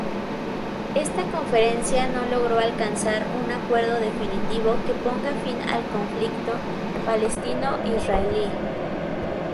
Esta conferencia no logró alcanzar un acuerdo definitivo que ponga fin al conflicto palestino-israelí.